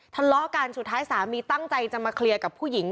ทะเลาะกันสุดท้ายสามีตั้งใจจะมาเคลียร์กับผู้หญิง